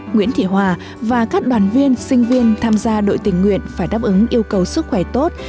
nguyễn thị hòa và các đoàn viên sinh viên tham gia đội tình nguyện phải đáp ứng yêu cầu sức khỏe tốt